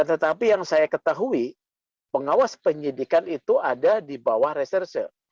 tetapi yang saya ketahui pengawas penyidikan itu ada di bawah reserse